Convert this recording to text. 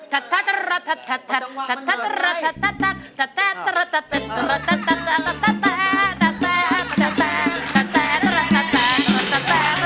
ตะตะตะตะตะตะตะ